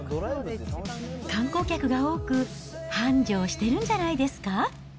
観光客が多く、繁盛してるんじゃないですか？